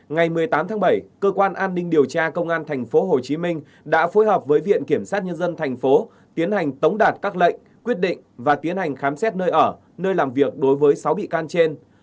ngày một mươi tám tháng bảy cơ quan an ninh điều tra công an tp hcm đã phối hợp với viện kiểm sát nhân dân tp tiến hành tống đạt các lệnh quyết định và tiến hành khám xét nơi ở nơi làm việc đối với sáu bị can trên